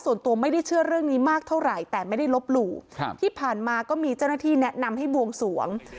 ส่วนตัวไม่ได้เชื่อเรื่องนี้มากเท่าไหร่แต่ไม่ได้ลบหลู่ที่ผ่านมาก็มีเจ้าหน้าที่แนะนำให้บวงสวง